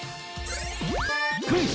クイズ！